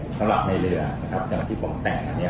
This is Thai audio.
ของในเรืออย่างที่ผมแต่งหน่อย